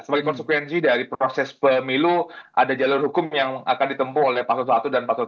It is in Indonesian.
sebagai konsekuensi dari proses pemilu ada jalur hukum yang akan ditempuh oleh pasal satu dan pasal dua